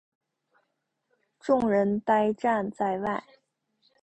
众人呆站在外